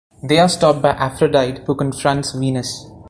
They are stopped by Aphrodite who confronts Venus.